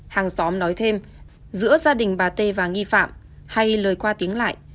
hàng xóm nói thêm giữa gia đình bà t và nghi phạm hay lời qua tiếng lại